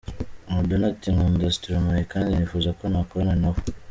Madonna ati “Nkunda Stromae kandi nifuza ko nakorana na we”.